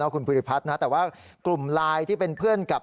คุณภูริพัฒน์นะแต่ว่ากลุ่มไลน์ที่เป็นเพื่อนกับ